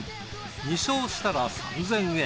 ２勝したら３，０００円。